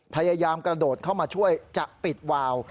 พยายามกระโดดเข้ามาช่วยจะปิดวาว